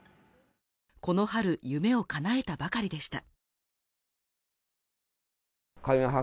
この春、夢を叶えたばかりでした。